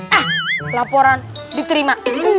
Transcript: ah laporan diterima